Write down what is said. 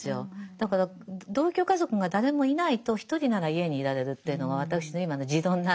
だから同居家族が誰もいないと１人なら家に居られるっていうのが私の今の持論なんですけどね。